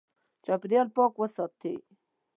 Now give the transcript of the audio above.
چاپېریال پاک وساتې.